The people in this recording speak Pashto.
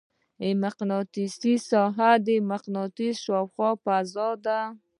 مقناطیسي ساحه د مقناطیس شاوخوا فضا ده.